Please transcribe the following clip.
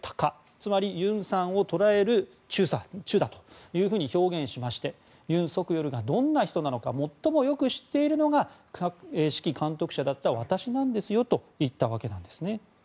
つまりユンさんを捕らえるチュだと表現しましてユン・ソクヨルがどんな人なのか最もよく知っているのが指揮監督者だった私なんですといったわけです。